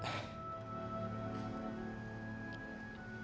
jemput aku ya nanti jam tujuh malam di kantor